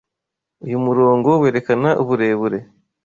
Uyu murongo werekana uburebure.